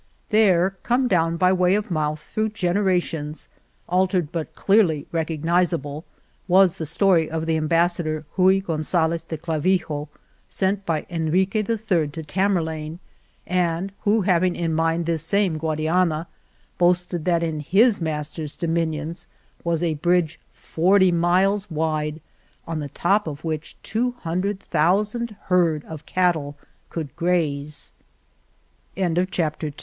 There, come down by way of mouth through generations, altered but clearly rec ognizable, was the story of the Ambassador Rui Gonzalez de Clavijo, sent by Enrique III. to Tamerlane, and who, having in mind this same Guadiana, boasted that in his mas ter's dominions was a bridge forty miles wide, on the top of which two hundred thou